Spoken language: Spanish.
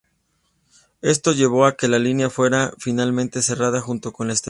Esto llevó a que la línea fuera finalmente cerrada, junto con la estación.